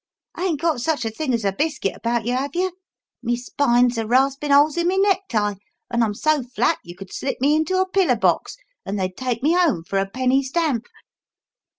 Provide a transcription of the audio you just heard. Ain't got such a thing as a biscuit about yer, have you? Me spine's a rasping holes in me necktie, and I'm so flat you could slip me into a pillar box and they'd take me home for a penny stamp."